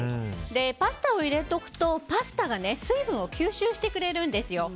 パスタを入れておくとパスタが水分を吸収してくれるんですよ。